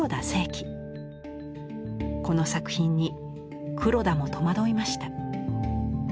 この作品に黒田も戸惑いました。